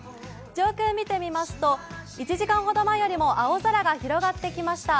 上空見てみますと１時間ほど前よりも青空が広がってきました。